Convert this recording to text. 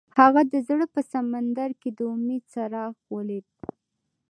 هغه د زړه په سمندر کې د امید څراغ ولید.